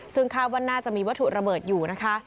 ซึ่งคาดว่าน่าจะมีวัตถุระเบิดอยู่นะคะ